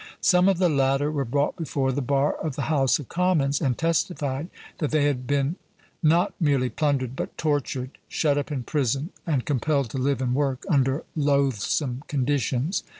Some of the latter were brought before the bar of the House of Commons, and testified that they had been not merely plundered, but tortured, shut up in prison, and compelled to live and work under loathsome conditions.